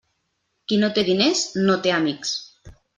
Qui no té diners, no té amics.